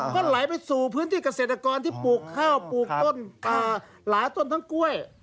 ก็ไหลไปสู่พื้นที่เกษตรกรที่ปลูกข้าวปลูกต้นหลายต้นทั้งกล้วย